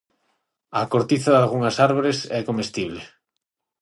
A cortiza dalgunhas árbores é comestible.